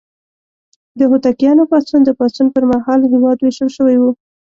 د هوتکیانو پاڅون: د پاڅون پر مهال هېواد ویشل شوی و.